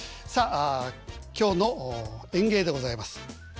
さあ今日の演芸でございます。